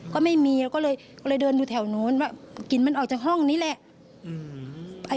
ก็ไม่มีก็เลยเดินดูแถวนู้นว่ากลิ่นมันออกจากห้องนี้แหละ